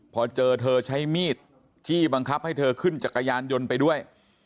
พอเจอเธอใช้มีดจี้บังคับให้เธอขึ้นจักรยานยนต์ไปด้วย